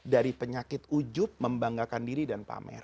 dari penyakit ujub membanggakan diri dan pamer